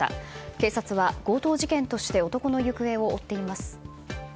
警察は強盗事件として男の行方を追っています。